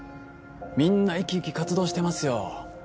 みんな生き生き活動してますよ